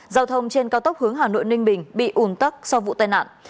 giao thông trên cao tốc hướng hà nội ninh bình bị ủn tắc sau vụ tai nạn